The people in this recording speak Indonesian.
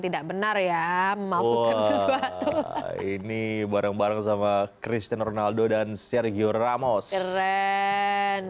tidak benar ya memalsukan sesuatu ini bareng bareng sama christian ronaldo dan sergio ramos